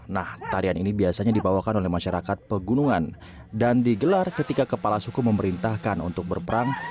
nah tarian ini biasanya dibawakan oleh masyarakat pegunungan dan digelar ketika kepala suku memerintahkan untuk berperang